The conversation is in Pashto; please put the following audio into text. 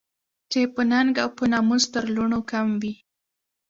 چې په ننګ او په ناموس تر لوڼو کم وي